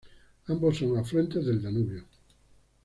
Ambos son afluentes del Danubio.